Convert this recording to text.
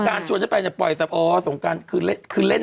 ยังไม่ไปเลย